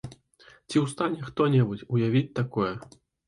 Ці ў стане хто-небудзь уявіць такое?!